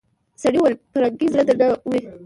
سړي وويل پرنګۍ زړه درنه وړی.